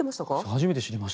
初めて知りました。